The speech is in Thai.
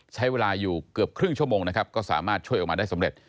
ใช้เวลาอยู่เกือบครึ่งชั่วโมงนะครับก็สามารถช่วยออกมาได้สำเร็จ